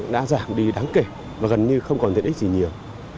làm đi đáng kể và gần như không còn tiện ích gì nhiều